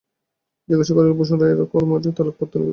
জিজ্ঞাসা করলে, ভূষণ রায়রা করিমহাটি তালুক পত্তনি নিতে চেয়েছিল না?